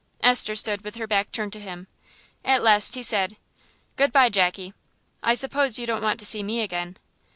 Esther stood with her back turned to him. At last he said "Good bye, Jackie. I suppose you don't want to see me again?"